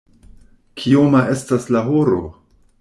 Kioma estas la horo?